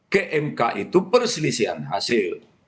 kmk itu perselisihan hasil